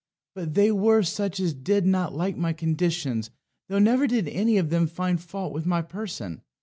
But they were such as did not like my conditions, though never did any of them find fault with my person.